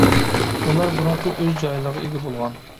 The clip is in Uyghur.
ئۇلار بۇرۇنقى ئۆز جايلىرىغا ئىگە بولغان.